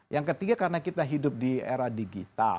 yang ketiga karena kita hidup di era digital